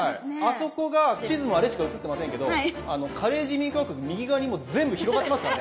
あそこが地図もあれしかうつってませんけどカレー人民共和国右側にも全部広がってますからね。